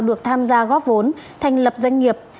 được tham gia góp vốn thành lập doanh nghiệp